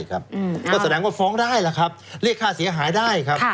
ก็แสดงว่าฟ้องได้ล่ะครับเรียกค่าเสียหายได้ครับ